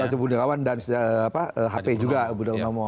sampai budi gunawan dan hp juga budi gunawan